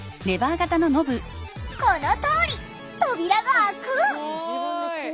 このとおり扉が開く！